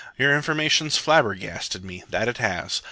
Your information's flabbergasted me, that it has.